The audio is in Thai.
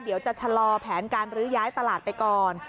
เดี๋ยวจะชะลอแผนการลื้อย้ายตลาดไปก่อน